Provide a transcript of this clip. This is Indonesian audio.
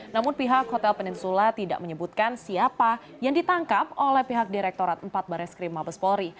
namun pihak hotel peninsula tidak menyebutkan siapa yang ditangkap oleh pihak direktorat empat barreskrim mabes polri